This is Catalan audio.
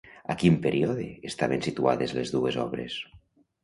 A quin període estaven situades les dues obres?